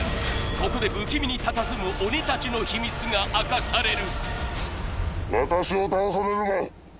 ここで不気味にたたずむ鬼たちの秘密が明かされる！